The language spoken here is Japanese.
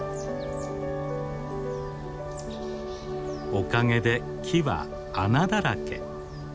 おかげで木は穴だらけ。